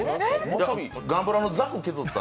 ガンプラのザク削った？